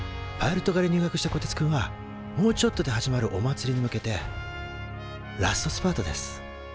パイロット科に入学したこてつくんはもうちょっとで始まるおまつりに向けてラストスパートです